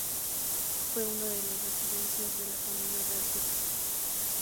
Fue una de las residencias de la familia real sueca.